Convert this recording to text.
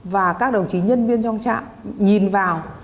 và các đồng chí nhân viên trong trạm nhìn vào